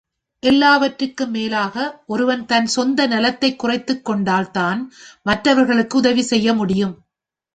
எல்லாவற்றிற்கும் மேலாக ஒருவன் தன் சொந்த நலத்தைக் குறைத்துக் கொண்டால் தான் மற்றவர்களுக்கு உதவி செய்ய முடியும்.